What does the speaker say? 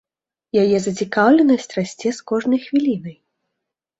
Яе зацікаўленасць расце з кожнай хвілінай.